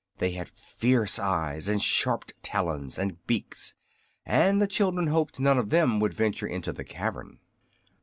They had fierce eyes and sharp talons and beaks, and the children hoped none of them would venture into the cavern.